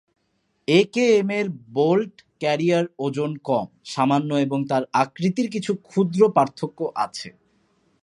AKM এর bolt carrier ওজন কম, সামান্য এবং তার আকৃতির কিছু ক্ষুদ্র পার্থক্য আছে।